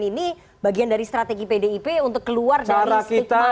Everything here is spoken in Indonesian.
ini bagian dari strategi pdip untuk keluar dari stigma